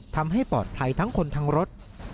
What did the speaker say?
ทำให้ปลอดภัยทั้งคนทั้งรถ